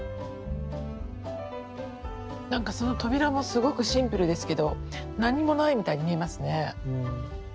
何かその扉もすごくシンプルですけど何もないみたいに見えますね。